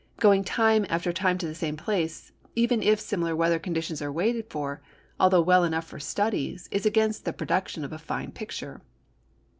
Going time after time to the same place, even if similar weather conditions are waited for, although well enough for studies, is against the production of a fine picture.